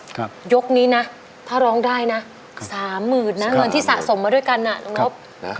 ก็ขอให้โชคดีทั้งสองท่านนะครับ